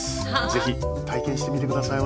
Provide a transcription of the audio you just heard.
是非体験してみて下さい。